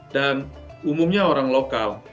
dan umumnya orang lokal